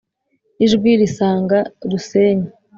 Ijwi risanga Rusenyi